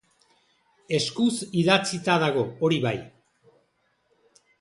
Eskuz idatzita dago, hori bai.